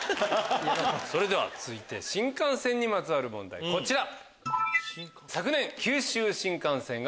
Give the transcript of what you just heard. それでは続いて新幹線にまつわる問題こちら。